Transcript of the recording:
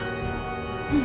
うん！